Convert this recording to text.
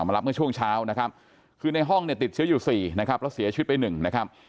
มารับเมื่อช่วงเช้านะครับคือในห้องเนี่ยติดเชื้ออยู่สี่นะครับแล้วเสียชีวิตไปหนึ่งนะครับ